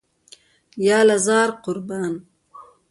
یاله زار، قربان.